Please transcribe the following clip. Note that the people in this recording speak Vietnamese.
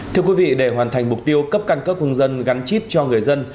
thưa quý vị để hoàn thành mục tiêu cấp căn cước công dân gắn chip cho người dân